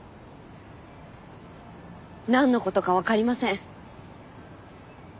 なんの事かわかりません。